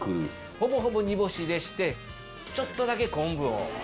ほぼほぼ煮干でしてちょっとだけ昆布を。